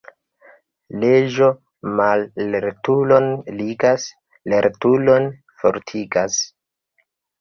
Leĝo mallertulon ligas, lertulon fortigas.